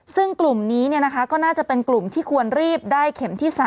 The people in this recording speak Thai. ซึ่งกลุ่มนี้ก็น่าจะเป็นกลุ่มที่ควรรีบได้เข็มที่๓